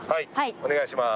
お願いします。